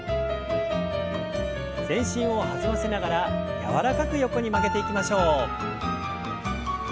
全身を弾ませながら柔らかく横に曲げていきましょう。